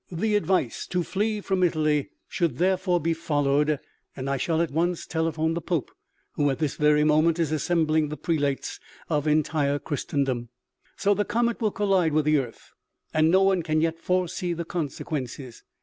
The advice to flee from Italy should OMEGA. 121 therefore be followed, and I shall at once telephone the Pope, who at this very moment is assembling the prelates of entire Christendom. " So the comet will collide with the earth, and no one can yet foresee the consequences.